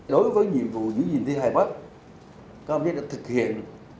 đối với nhiệm vụ giữ gìn thi hai bác các ông chí đã thực hiện